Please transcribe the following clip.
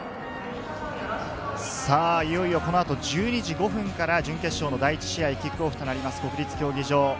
いよいよ、この後１２時５分から準決勝の第１試合キックオフとなります、国立競技場。